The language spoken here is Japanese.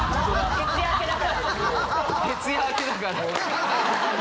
徹夜明けだから。